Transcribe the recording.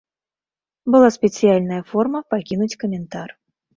Была спецыяльная форма пакінуць каментар.